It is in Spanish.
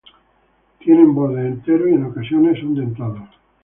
Tienen bordes enteros y en ocasiones son dentados.